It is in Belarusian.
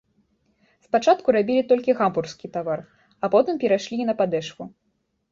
Спачатку рабілі толькі гамбургскі тавар, а потым перайшлі і на падэшву.